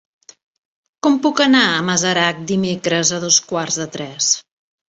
Com puc anar a Masarac dimecres a dos quarts de tres?